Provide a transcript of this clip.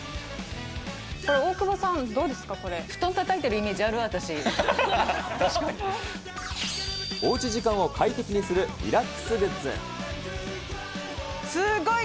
これ、大久保さん、どうです布団たたいているイメージあおうち時間を快適にするリラすっごい